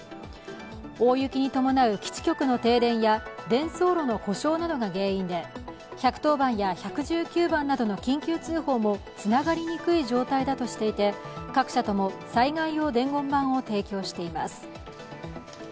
大雪に伴う基地局の停電や伝送路の故障などが原因で１１０番や１１９番などの緊急通報もつながりにくい状態だとしていて各社とも、災害用伝言板を提供しています。